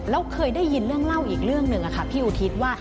แล้วเคยได้ยินเรื่องเล่าอีกเรื่องหนึ่งค่ะพี่อุทิศว่า